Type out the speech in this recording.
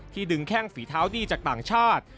ดึงแข้งฝีเท้าดีจากต่างชาติ